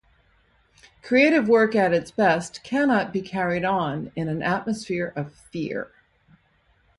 Creative work at its best cannot be carried on in an atmosphere of fear.